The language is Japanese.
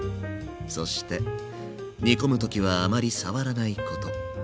そして煮込む時はあまり触らないこと。